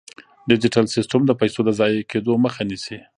ډیجیټل سیستم د پيسو د ضایع کیدو مخه نیسي.